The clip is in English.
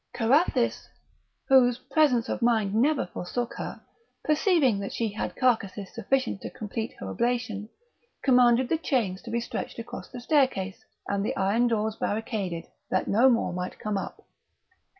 Carathis, whose presence of mind never forsook her, perceiving that she had carcases sufficient to complete her oblation, commanded the chains to be stretched across the staircase, and the iron doors barricaded, that no more might come up.